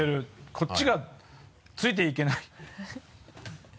こっちがついていけない